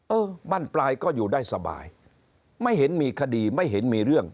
เออบ้านปลายก็อยู่ได้สบายไม่เห็นมีคดีไม่เห็นมีเรื่อง